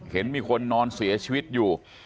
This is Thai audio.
เห็นมีคนนอนเสียชีวิตอยู่